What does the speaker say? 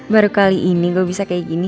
baru kali ini gue bisa kayak gini